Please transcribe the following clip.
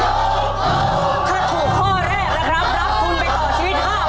ถ้าถูกข้อแรกนะครับรับทุนไปต่อชีวิต๕๐๐บาท